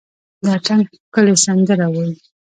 د اټن ښکلي سندره وايي،